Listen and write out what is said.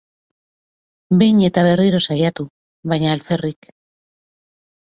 Behin eta berriro saiatu, baina alferrik.